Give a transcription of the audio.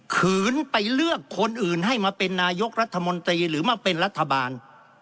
ขืนไปเลือกคนอื่นให้มาเป็นนายกรัฐมนตรีหรือมาเป็นรัฐบาล